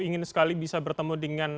ingin sekali bisa bertemu dengan